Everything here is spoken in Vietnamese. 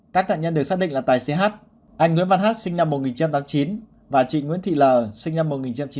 các nạn nhân được xác định là tài xế h anh nguyễn văn hát sinh năm một nghìn chín trăm tám mươi chín và chị nguyễn thị l sinh năm một nghìn chín trăm tám mươi